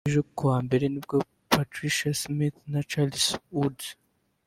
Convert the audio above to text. Ejo kuwa mbere nibwo Patricia Smith na Charles Woods